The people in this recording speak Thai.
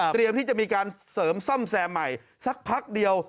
ที่จะมีการเสริมซ่อมแซมใหม่สักพักเดียว